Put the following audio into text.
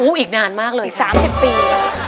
อู๋อีกนานมากเลยครับอีก๓๐ปี